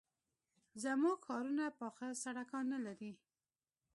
زموږ ښارونه پاخه سړکان نه لري.